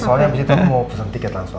soalnya abis itu mau pesen tiket langsung